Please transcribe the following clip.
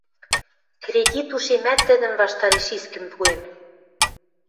Кредит ушемӓт тӹдӹн ваштареш искӹм пуэн.